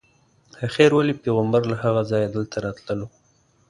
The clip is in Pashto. آخر ولې پیغمبر له هغه ځایه دلته راتللو.